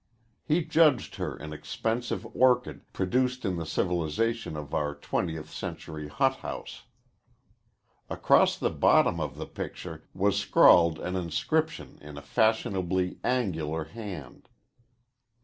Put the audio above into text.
He judged her an expensive orchid produced in the civilization of our twentieth century hothouse. Across the bottom of the picture was scrawled an inscription in a fashionably angular hand.